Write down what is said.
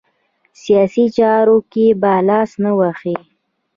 سیاسي چارو کې به لاس نه وهي.